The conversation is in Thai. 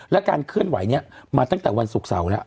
และการเคลื่อนไหวนี้มาตั้งแต่วันศุกร์เสาร์แล้ว